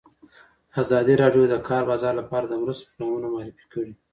ازادي راډیو د د کار بازار لپاره د مرستو پروګرامونه معرفي کړي.